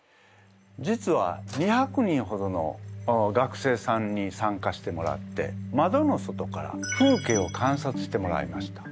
実は２００人ほどの学生さんに参加してもらってまどの外から風景を観察してもらいました。